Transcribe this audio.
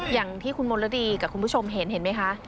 อย่างที่คุณมธรรมพุทธชมเห็นไหมคะ